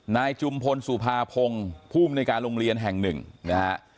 นายจุมพลสุภาพงภูมิในการโรงเรียนแห่งหนึ่งนะฮะ